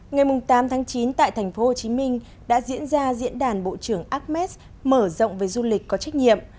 ngày tám tháng chín tại tp hcm đã diễn ra diễn đàn bộ trưởng ames mở rộng về du lịch có trách nhiệm